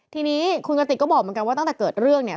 ทีนี้คุณกติกก็บอกเหมือนกันว่าตั้งแต่เกิดเรื่องเนี่ย